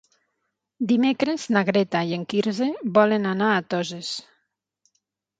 Dimecres na Greta i en Quirze volen anar a Toses.